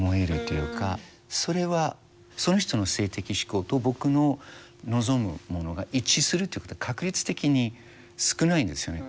それはその人の性的指向と僕の望むものが一致するっていうことは確率的に少ないんですよね。